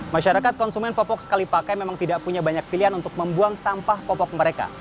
masyarakat konsumen popok sekali pakai memang tidak punya banyak pilihan untuk membuang sampah popok mereka